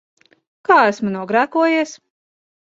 Kā esmu nogrēkojies?